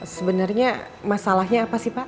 sebenarnya masalahnya apa sih pak